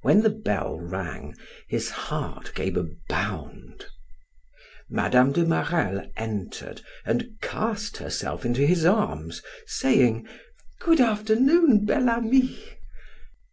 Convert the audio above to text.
When the bell rang, his heart gave a bound. Mme. de Marelle entered and cast herself into his arms, saying: "Good afternoon, Bel Ami."